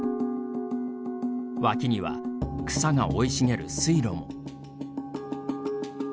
脇には、草が生い茂る水路も。